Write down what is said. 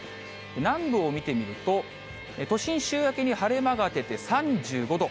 南部を見てみると、都心、週明けに晴れ間が出て３５度。